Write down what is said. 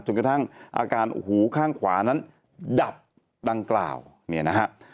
จนกระทั่งอาการหูข้างขวานั้นดับดังกล่าวนี่นะครับ